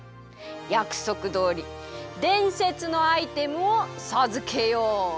やくそくどおりでんせつのアイテムをさずけよう。